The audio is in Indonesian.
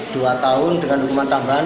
dua tahun dengan hukuman tambahan